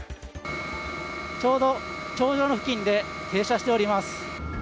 ちょうど頂上の付近で停止しています。